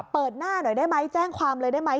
เปิดหน้าหน่อยได้ไหมแจ้งความเลยได้ไหม